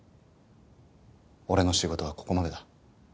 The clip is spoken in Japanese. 俺の仕事はここまでだ。